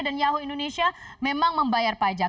dan yahoo indonesia memang membayar pajak